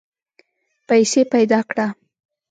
پیسې پیدا کړه.